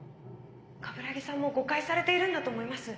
鏑木さんも誤解されているんだと思います。